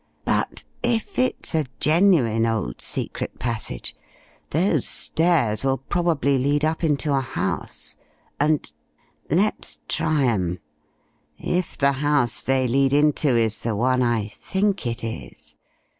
But if it's a genuine old secret passage, those stairs will probably lead up into a house, and let's try 'em. If the house they lead into is the one I think it is....